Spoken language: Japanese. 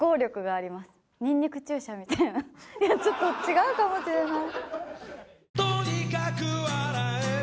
いやちょっと違うかもしれない。